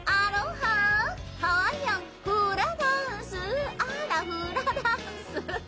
ハワイアン、フラダンス、あら、フラダンス。